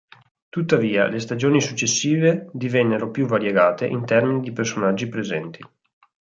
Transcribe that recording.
Tuttavia, le stagioni successive divennero più variegate in termini di personaggi presenti.